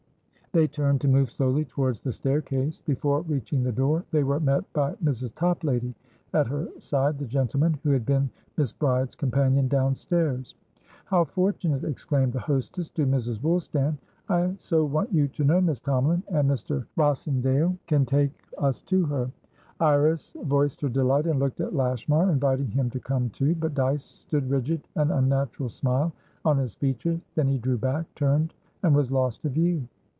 They turned to move slowly towards the staircase. Before reaching the door, they were met by Mrs. Toplady, at her side the gentleman who had been Miss Bride's companion downstairs. "How fortunate!" exclaimed the hostess to Mrs. Woolstan. "I so want you to know Miss Tomalin, and Mr. Rossendale can take us to her." Iris voiced her delight, and looked at Lashmar, inviting him to come too. But Dyce stood rigid, an unnatural smile on his features; then he drew back, turned, and was lost to view.